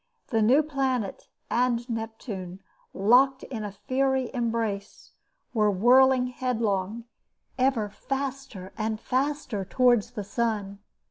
The new planet and Neptune, locked in a fiery embrace, were whirling headlong, ever faster and faster towards the sun.